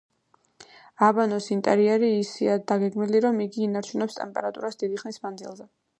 აბანოს ინტერიერი ისეა დაგეგმილი, რომ იგი ინარჩუნებს ტემპერატურას დიდი ხნის მანძილზე.